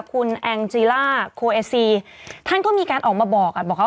คุณแองจีล่าโคเอซีท่านก็มีการออกมาบอกอ่ะบอกว่า